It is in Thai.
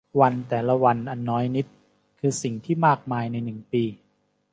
วันแต่ละวันอันน้อยนิดคือสิ่งที่มากมายในหนึ่งปี